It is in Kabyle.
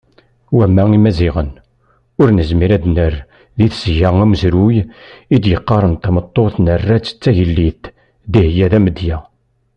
Wamma Imaziɣen, ur nezmir ad nerr di tesga amezruy i d-yeqqaren tameṭṭut nerra-tt d tagellidt, Dihya d amedya.